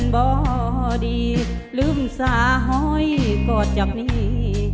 บ่ดีลืมสาหอยกอดจากนี้